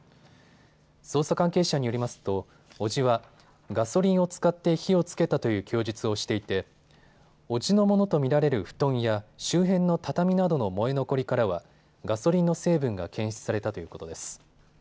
捜査関係者によりますと伯父はガソリンを使って火をつけたという供述をしていて伯父のものと見られる布団や周辺の畳などの燃え残りからはガソリンの成分が検出されたということです。